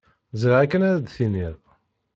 Ẓriɣ akken ara d-tiniḍ.